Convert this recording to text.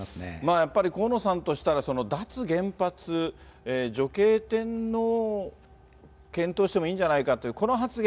やっぱり河野さんとしたら、脱原発、女系天皇を検討してもいいんじゃないかという、この発言。